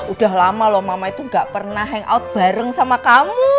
udah lama loh mama itu gak pernah hangout bareng sama kamu